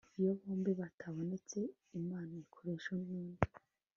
iyo bombi batabonetse, inama ikoreshwa n'undi